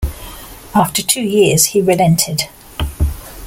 After two years, he relented.